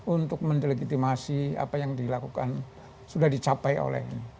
untuk mendelegitimasi apa yang dilakukan sudah dicapai oleh